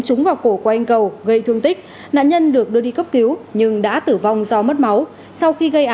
không như cá nhân những người sử dụng xe đấy